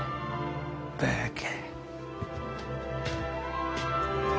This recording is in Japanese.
バカ。